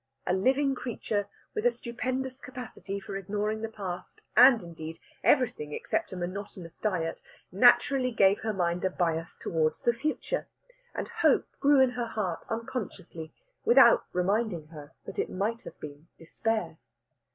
A living creature, with a stupendous capacity for ignoring the past, and, indeed, everything except a monotonous diet, naturally gave her mind a bias towards the future, and hope grew in her heart unconsciously, without reminding her that it might have been despair.